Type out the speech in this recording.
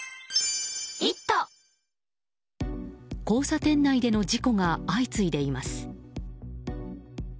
交差点内での事故が相次いでいます。